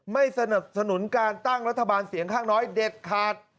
ไม่สนับสนุนการตั้งรัฐบาลเสียงข้างน้อยเด็ดขาด